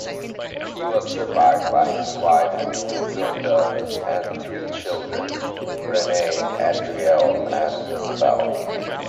He was survived by his wife, Zilda, and three children: Rene, Adrielle and Isabel.